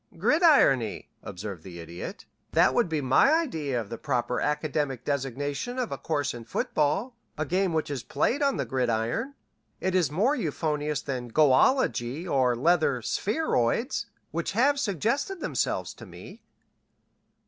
"Gridirony," observed the Idiot. "That would be my idea of the proper academic designation of a course in football, a game which is played on the gridiron. It is more euphonious than goalology or leather spheroids, which have suggested themselves to me."